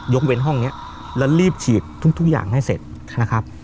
เว้นห้องนี้แล้วรีบฉีดทุกอย่างให้เสร็จนะครับ